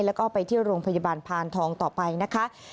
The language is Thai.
แล้วก็ไปที่โรงพยาบาลพานทองต่อไปนะคะ